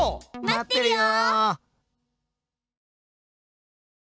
待ってるよ！